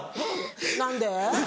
何で？